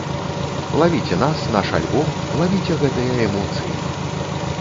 Лавіце нас, наш альбом, лавіце гэтыя эмоцыі!